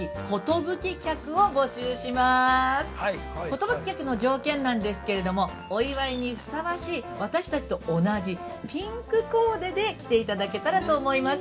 寿客の条件なんですけれども、お祝いにふさわしい私たちと同じピンクコーデで来ていただけたらと思います。